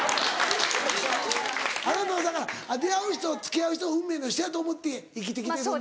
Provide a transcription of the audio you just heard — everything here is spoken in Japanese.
あなたはだから出会う人付き合う人を運命の人やと思って生きてきてるんだ。